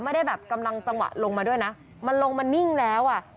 ไม่ได้แบบกำลังจังหวะลงมาด้วยนะมันลงมานิ่งแล้วอ่ะ